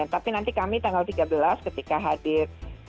tapi nanti kami tanggal tiga belas ketika hadir